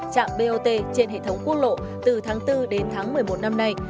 trạm bot trên hệ thống quốc lộ từ tháng bốn đến tháng một mươi một năm nay